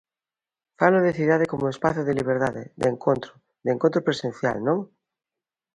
Falo de cidade como espazo de liberdade, de encontro, de encontro presencial, non?